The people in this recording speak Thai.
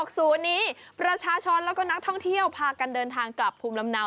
ศูนย์นี้ประชาชนแล้วก็นักท่องเที่ยวพากันเดินทางกลับภูมิลำเนา